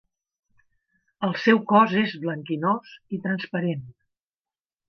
El seu cos és blanquinós i transparent.